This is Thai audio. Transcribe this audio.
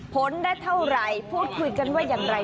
ผลได้เท่าไรพูดคุยกันว่ายังไง